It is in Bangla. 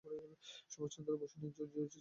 সুভাষচন্দ্র বসু নিজে জিওসি ছিলেন।